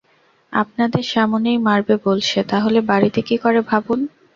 আপনাদের সামনেই মারবে বলছে, তাহলে বাড়িতে কী করে ভাবুন!